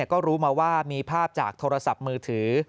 ก็รู้มาว่ามีภาพจากโทรศัพท์มือถือ